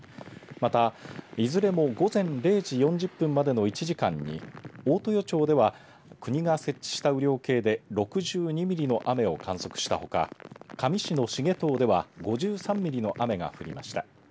また、いずれも午前０時４０分までの１時間に大豊町では国が設置した雨量計で６２ミリの雨を観測したほか香美市の繁藤では５３ミリの雨が降りました。